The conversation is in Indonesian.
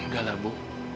gak lah bu